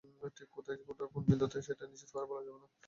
ঠিক কোথায় কোন বিন্দুতে থাকবে, সেটা নিশ্চিত করে বলা যাবে না।